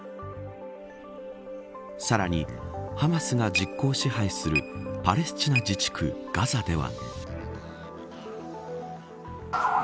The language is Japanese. さらに、ハマスが実効支配するパレスチナ自治区ガザでは。